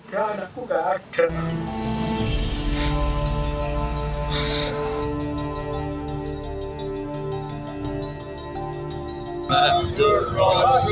tiga anakku gak ada